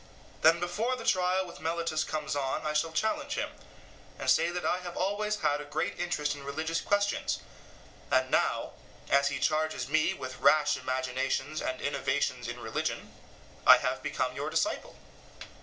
Then before the trial with Meletus comes on I shall challenge him, and say that I have always had a great interest in religious questions, and now, as he charges me with rash imaginations and innovations in religion, I have become your disciple.